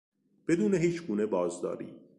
بدون هیچگونه بازداری